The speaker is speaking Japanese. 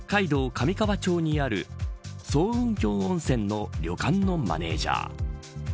上川町にある層雲峡温泉の旅館のマネジャー。